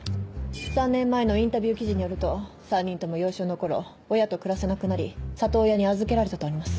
３年前のインタビュー記事によると３人とも幼少の頃親と暮らせなくなり里親に預けられたとあります。